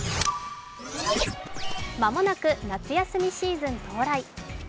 間もなく夏休みシーズン到来。